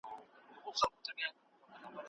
کمپيوټر سپوږمکۍ کنټرولوي.